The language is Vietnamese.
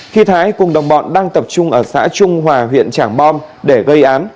khi thái cùng đồng bọn đang tập trung ở xã trung hòa huyện trảng bom để gây án